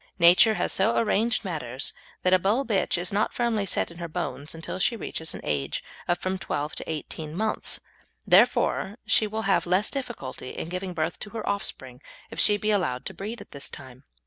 Nature has so arranged matters that a Bull bitch is not firmly set in her bones until she reaches an age of from twelve to eighteen months, and therefore she will have less difficulty in giving birth to her offspring if she be allowed to breed at this time.